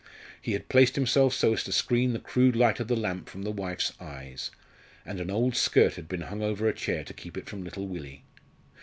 He had placed himself so as to screen the crude light of the lamp from the wife's eyes; and an old skirt had been hung over a chair to keep it from little Willie.